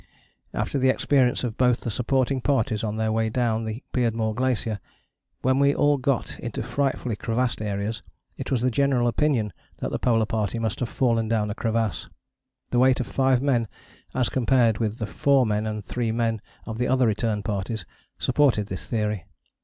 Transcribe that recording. After the experience of both the supporting parties on their way down the Beardmore Glacier, when we all got into frightfully crevassed areas, it was the general opinion that the Polar Party must have fallen down a crevasse; the weight of five men, as compared with the four men and three men of the other return parties, supported this theory.